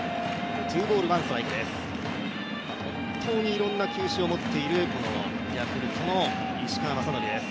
本当にいろんな球種を持っているヤクルトの石川雅規です。